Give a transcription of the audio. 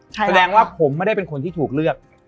แสดงว่าผมไม่ได้เป็นคนที่ถูกเลือก